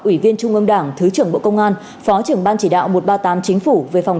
ủy viên trung ương đảng thứ trưởng bộ công an phó trưởng ban chỉ đạo một trăm ba mươi tám chính phủ về phòng